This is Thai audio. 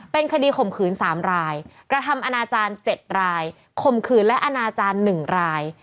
เป็นคดีข่มขืน๓รายกระทำอนาจารย์๗รายข่มขืนและอนาจารย์๑ราย